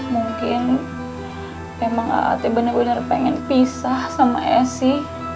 mungkin emang a'at bener bener pengen pisah sama esi